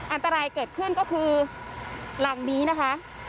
อันตรายเกิดขึ้นก็คือหลังนี้นะคะ